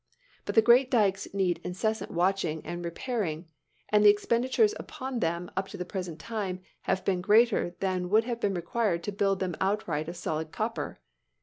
But the great dykes need incessant watching and repairing; and the expenditures upon them up to the present time, have been greater than would have been required to build them outright of solid copper.